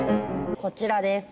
こちらです。